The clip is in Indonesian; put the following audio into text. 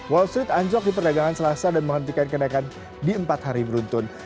wall street anjlok di perdagangan selasa dan menghentikan kenaikan di empat hari beruntun